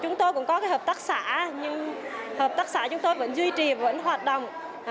chúng tôi cũng có hợp tác xã nhưng hợp tác xã chúng tôi vẫn duy trì vẫn hoạt động